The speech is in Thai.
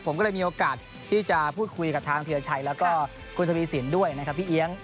ผมก็เลยมีโอกาสที่จะพูดคุยกับทางธีรชัยแล้วก็คุณทวีสินด้วยนะครับพี่เอี๊ยง